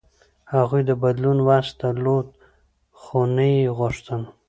هغوی د بدلون وس درلود، خو نه یې غوښتل.